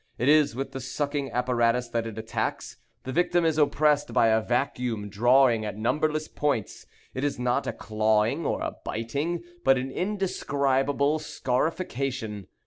It is with the sucking apparatus that it attacks. The victim is oppressed by a vacuum drawing at numberless points; it is not a clawing or a biting, but an indescribable scarification.